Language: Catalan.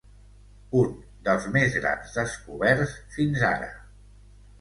Un dels més grans descoberts fins ara.